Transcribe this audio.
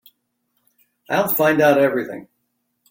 I'll find out everything.